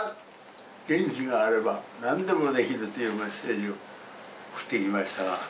「元気があれば何でもできる」というメッセージを送ってきましたが。